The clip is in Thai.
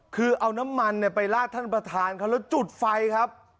คือเอาน้ำมันไปลาดท่านประธานเขาแล้วจุดไฟครับ